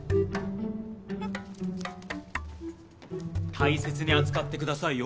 大切に扱ってくださいよ。